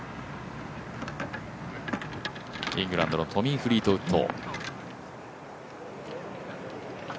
イングランドのトミー・フリートウッド。